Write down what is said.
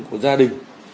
của gia đình